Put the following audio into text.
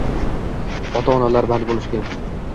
ota-onalari band bo‘lishgan.